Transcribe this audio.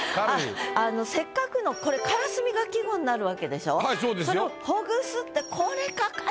せっかくのこれ「からすみ」が季語になるわけでしょ？